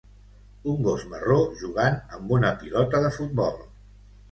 Un gos marró jugant amb una pilota de futbol